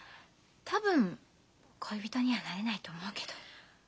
多分恋人にはなれないと思うけど。